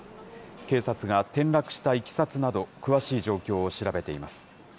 警察が転落したいきさつなど、詳しい状況を調べています。